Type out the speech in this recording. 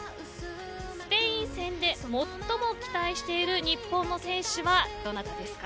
スペイン戦で最も期待している日本の選手はどなたですか。